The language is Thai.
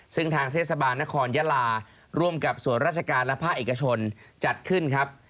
ซึ่งทางเทศบาลนครยาลาร่วมกับส่วนราชการและภาคเอกชนจัดขึ้นครับ